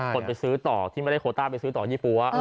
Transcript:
คนไปซื้อต่อที่ไม่ได้โคต้าไปซื้อต่อยี่ปั๊ว